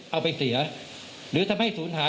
เอาไปเสียหรือทำให้ศูนย์หาย